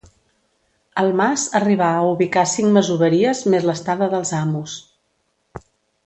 El mas arribà a ubicar cinc masoveries més l'estada dels amos.